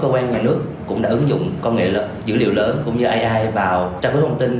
cơ quan nhà nước cũng đã ứng dụng công nghệ dữ liệu lớn cũng như ai vào trao đổi thông tin